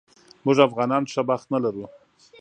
موږ افغانان ښه بخت نه لرو